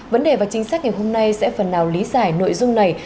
vấn đề và chính sách ngày hôm nay sẽ phần nào lý giải nội dung này